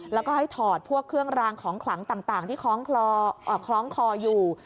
แล้วก็ให้ถอดพวกเครื่องรางของขลังต่างที่คล้องคออยู่